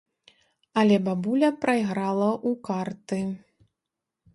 Але бабуля прайграла ў карты.